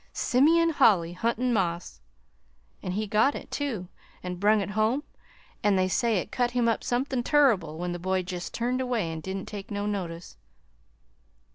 Simeon Holly huntin' moss! An' he got it, too, an' brung it home, an' they say it cut him up somethin' turrible when the boy jest turned away, and didn't take no notice.